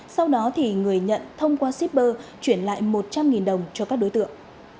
sau đó thì người nhận thông qua shipper chuyển lại một trăm linh đồng cho các đối tượng